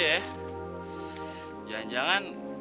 jangan jangan de mau ke mana